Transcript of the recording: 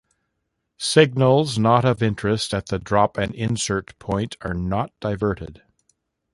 Signals not of interest at the drop-and-insert point are not diverted.